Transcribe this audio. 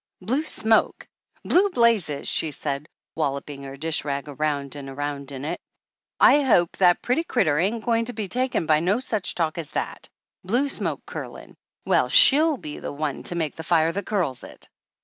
"Blue smoke! Blue blazes!' she said, wal loping her dish rag around and around in it. "I hope that pretty critter ain't goin' to be took in by no such talk as that! Blue smoke curlin' ! Well, she'll be the one to make the fire that curls it!"